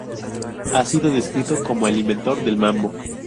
Ha sido descrito como "el inventor del mambo".